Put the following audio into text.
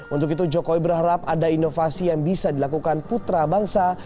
untuk itu jokowi berharap ada inovasi yang bisa dilakukan putra bangsa